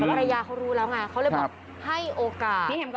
ภรรยาเขารู้แล้วไงเขาเลยบอกให้โอกาส